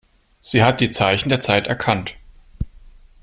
Sie hat die Zeichen der Zeit erkannt.